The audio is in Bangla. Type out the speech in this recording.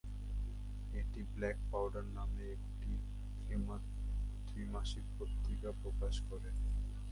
এটি "ব্ল্যাক পাউডার" নামে একটি ত্রৈমাসিক পত্রিকা প্রকাশ করে।